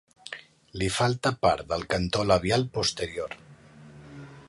Li falta part del cantó labial posterior.